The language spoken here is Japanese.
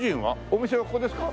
お店はここですか？